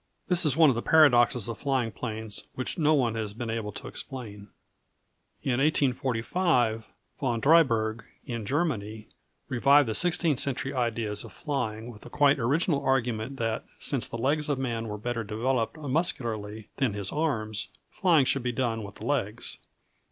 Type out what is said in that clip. This is one of the paradoxes of flying planes which no one has been able to explain. In 1845, Von Drieberg, in Germany, revived the sixteenth century ideas of flying, with the quite original argument that since the legs of man were better developed muscularly than his arms, flying should be done with the legs.